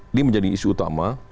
ini menjadi isu utama